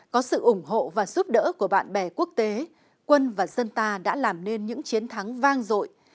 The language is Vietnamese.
có sự ủng hộ và giúp đỡ của bạn bè quốc tế quân và dân ta đã làm nên những chiến thắng vang dội